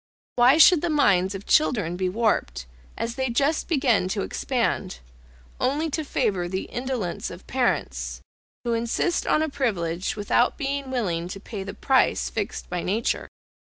Why should the minds of children be warped as they just begin to expand, only to favour the indolence of parents, who insist on a privilege without being willing to pay the price fixed by nature?